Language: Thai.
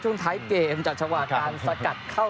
ช่วงท้ายเกมจากจังหวะการสกัดเข้า